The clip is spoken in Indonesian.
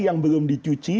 yang belum dicuci